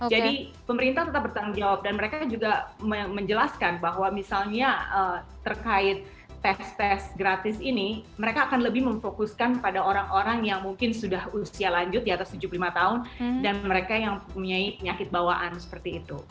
jadi pemerintah tetap bertanggung jawab dan mereka juga menjelaskan bahwa misalnya terkait tes tes gratis ini mereka akan lebih memfokuskan pada orang orang yang mungkin sudah usia lanjut di atas tujuh puluh lima tahun dan mereka yang punya penyakit bawaan seperti itu